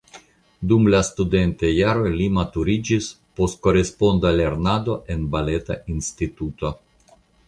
Dum la studentaj jaroj li maturiĝis post koresponda lernado en Baleta Instituto.